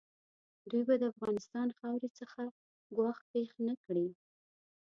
دوی به د افغانستان خاورې څخه ګواښ پېښ نه کړي.